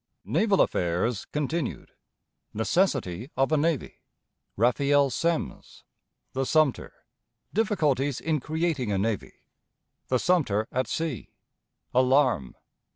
Naval Affairs (continued). Necessity of a Navy. Raphael Semmes. The Sumter. Difficulties in creating a Navy. The Sumter at Sea. Alarm.